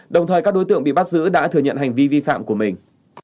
đồng thời các đối tượng bị bắt giữ đã thừa nhận hành vi vi phạm của mình